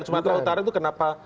cuma tau utara itu kena dibahas